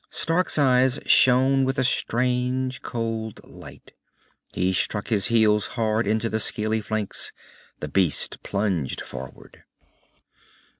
Stark's eyes shone with a strange, cold light. He struck his heels hard into the scaly flanks. The beast plunged forward.